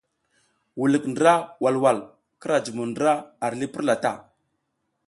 Wulik ndra walwal, kira jumo ndra ar li purla ta.